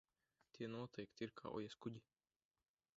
Tie noteikti ir kaujaskuģi.